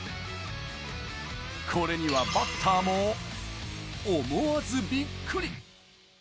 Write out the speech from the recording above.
これにはバッターも、思わずびっくり。